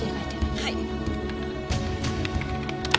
はい。